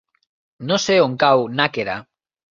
No sé on cau Nàquera.